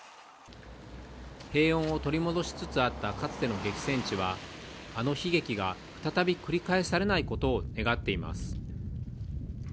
平穏を取り戻しつつあった、かつての激戦地はあの悲劇が再び繰り返されないことを願っています。